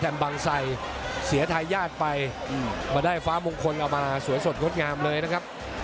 บางไซเสียทายาทไปมาได้ฟ้ามงคลเอามาสวยสดงดงามเลยนะครับ